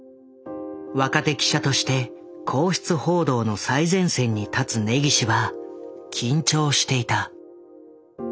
若手記者として皇室報道の最前線に立つ根岸は緊張していた。